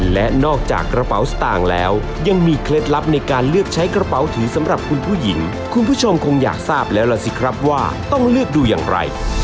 และนอกจากกระเป๋าสตางค์แล้วยังมีเคล็ดลับในการเลือกใช้กระเป๋าถือสำหรับคุณผู้หญิงคุณผู้ชมคงอยากทราบแล้วล่ะสิครับว่าต้องเลือกดูอย่างไร